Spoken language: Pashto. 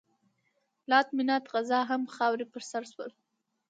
لات، منات، عزا همه خاورې په سر شول.